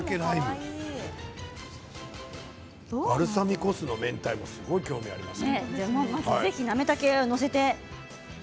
バルサミコ酢とめんたいこすごい興味があります。